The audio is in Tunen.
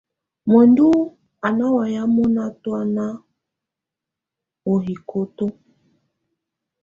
Muǝndù á ná wayɛ̀ mɔnà tɔ̀́na ù hikoto.